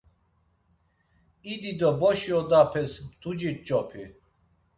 İdi do boşi odapes mtuci ç̌opi.